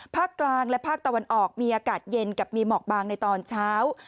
ภาคกลางและภาคตะวันออกมีอากาศเย็นกับมีหมอกบางในตอนเช้า